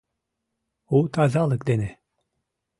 У тазалык дене!